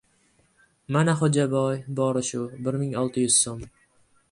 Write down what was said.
— Mana, Xo‘jaboy — bori shu. Bir ming olti yuz so‘m.